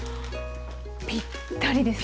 ぴったりですね。